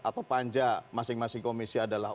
atau panja masing masing komisi adalah